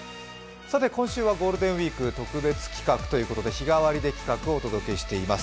今週はゴールデンウイーク特別企画ということで、日替わりで企画をお届けしています。